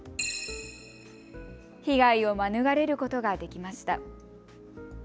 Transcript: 被害を免れることができました。